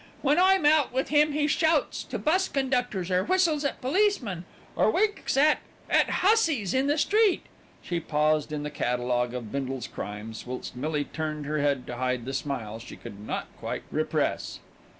When I'm out with him he shouts out to bus conductors, or whistles at policemen, or winks at at hussies in the street." She paused in the catalogue of Bindle's crimes, whilst Millie turned her head to hide the smile she could not quite repress.